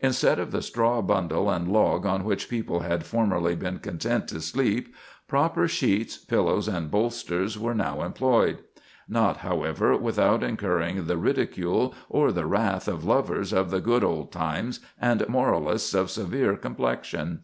Instead of the straw bundle and log on which people had formerly been content to sleep, proper sheets, pillows, and bolsters were now employed; not, however, without incurring the ridicule or the wrath of lovers of the good old times and moralists of severe complexion.